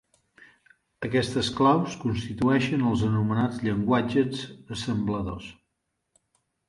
Aquestes claus constitueixen els anomenats llenguatges assembladors.